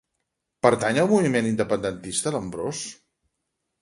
Pertany al moviment independentista l'Ambròs?